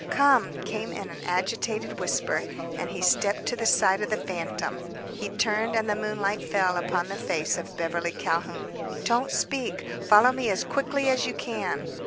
"Come," came in an agitated whisper, and he stepped to the side of the phantom. She turned and the moonlight fell upon the face of Beverly Calhoun, "Don't speak. Follow me as quickly as you can."